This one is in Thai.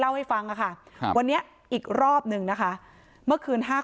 ให้ฟังอะค่ะครับวันนี้อีกรอบหนึ่งนะคะเมื่อคืนห้า